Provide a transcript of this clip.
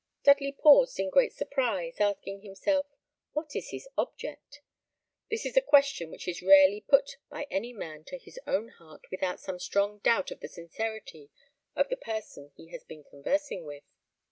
Dudley paused in great surprise, asking himself, "What is his object?" This is a question which is rarely put by any man to his own heart without some strong doubt of the sincerity of the person he has been conversing with.